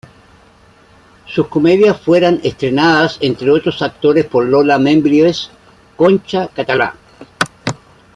Sus comedias fueran estrenadas entre otros actores por Lola Membrives, Concha Catalá.